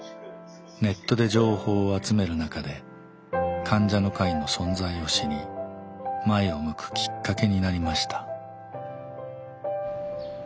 ネットで情報を集める中で患者の会の存在を知り前を向くきっかけになりました。